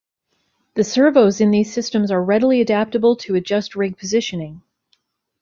The servos in these systems are readily adaptable to adjust rig positioning.